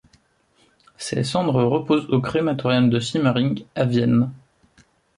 Ses cendres reposent au crématorium de Simmering à Vienne.